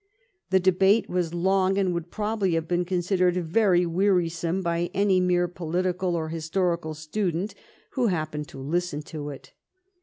The debate was long, and would probably have been considered very wearisome by any mere political or historical student who hap pened to listen to it.